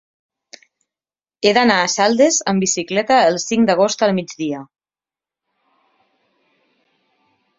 He d'anar a Saldes amb bicicleta el cinc d'agost al migdia.